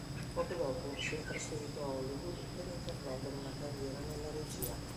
Poco dopo, si è trasferito a Hollywood per intraprendere una carriera nella regia.